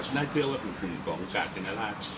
หน้าเชื่อว่าแต่กลุ่มของกราศธนราช